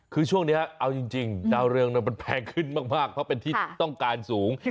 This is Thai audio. คือช่วงนี้เอาจริงดาวเรืองมันแพงขึ้นมากเพราะเป็นที่ต้องการสูง